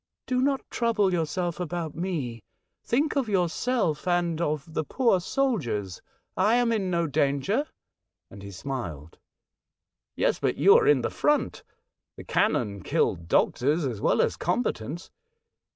" Do not trouble yourself about me ; think of yourself and of the poor soldiers ; I am in no danger," and he smiled. '' Yes ; but you are in the front. The cannon kill doctors as well as combatants.